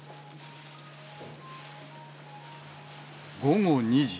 午後２時。